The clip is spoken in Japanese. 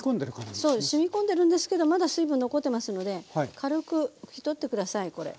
そうしみこんでるんですけどまだ水分残ってますので軽く拭き取って下さいこれ。